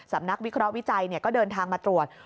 นักวิเคราะห์วิจัยก็เดินทางมาตรวจ